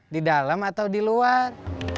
di dalam atau di luar